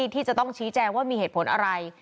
ที่จะต้องชี้แจงว่ามีเหตุผลอะไร